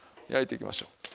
焼いていきましょう。